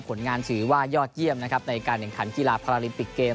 ผลงานถือว่ายอดเยี่ยมนะครับในการแข่งขันกีฬาพาราลิมปิกเกม